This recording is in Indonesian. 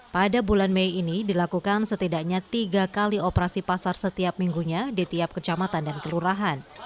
pada bulan mei ini dilakukan setidaknya tiga kali operasi pasar setiap minggunya di tiap kecamatan dan kelurahan